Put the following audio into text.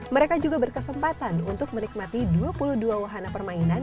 mereka juga berkesempatan untuk menikmati dua puluh dua wahana permainan